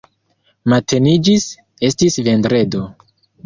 Mateniĝis, estis vendredo.